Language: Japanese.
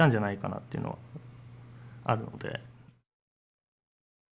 っていうのはあるので。